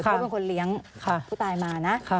เขาเป็นคนเลี้ยงผู้ตายมานะ